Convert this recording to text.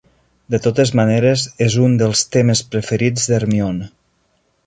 De totes maneres, és un dels temes preferits d'Hermione.